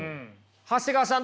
長谷川さん